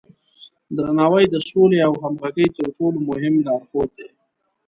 درناوی د سولې او همغږۍ تر ټولو مهم لارښود دی.